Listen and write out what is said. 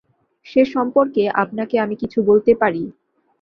সে-সম্পর্কে আপনাকে আমি কিছু বলতে পারি।